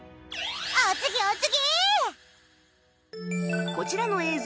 お次お次！